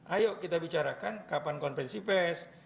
ayo kita bicarakan kapan konferensi pes